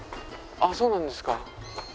ああそうなんですか？